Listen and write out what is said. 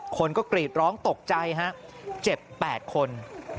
คนก็กรีดร้องตกใจฮะเจ็บ๘คน